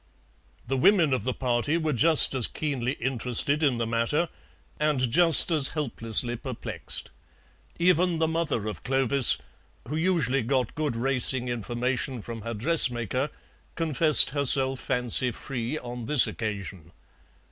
The women of the party were just as keenly interested in the matter, and just as helplessly perplexed; even the mother of Clovis, who usually got good racing information from her dressmaker, confessed herself fancy free on this occasion.